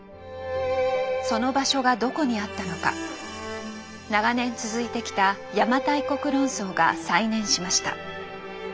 その場所がどこにあったのか長年続いてきた「邪馬台国論争」が再燃しました。